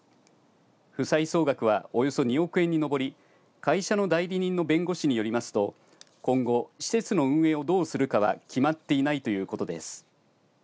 負債総額はおよそ２億円に上り会社の代理人の弁護士によりますと今後施設の運営をどうするかは決まっていないということです。